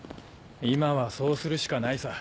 今はそうするしかないさ